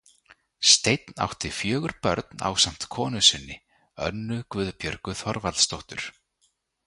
Steinn átti fjögur börn ásamt konu sinni, Önnu Guðbjörgu Þorvaldsdóttur.